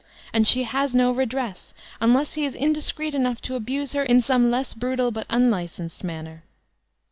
And she has no redress unless he is indiscreet enough to abuse her in some less brutal but unlicensed manner.